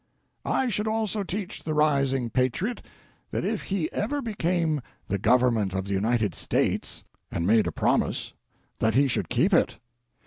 "I should also teach the rising patriot that if he ever became the Government of the United States and made a promise that he should keep it.